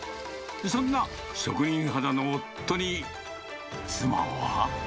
そんな職人肌の夫に、妻は。